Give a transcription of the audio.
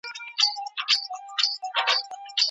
زعفران په هره خاوره کي نه شنه کېږي.